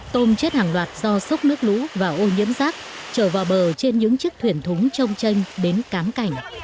tôm chết hàng loạt do sốc nước lũ và ô nhiễm rác trở vào bờ trên những chiếc thuyền thúng trông chanh đến cám cảnh